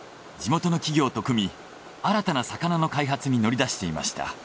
地元の企業と組み新たな魚の開発に乗り出していました。